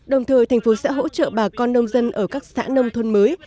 đồng thời thành phố sẽ hỗ trợ bà con nông dân ở các xã nông thôn mới